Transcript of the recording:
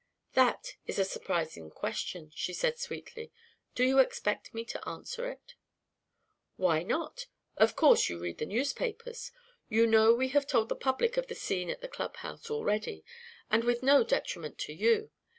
"That is a surprising question," she said sweetly. "Do you expect me to answer it?" "Why not? Of course you read the newspapers. You know we have told the public of the scene at the clubhouse already and with no detriment to you!